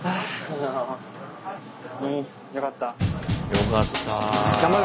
よかった。